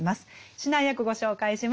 指南役ご紹介します。